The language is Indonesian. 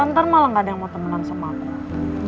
ntar malah gak ada yang mau temenan sama aku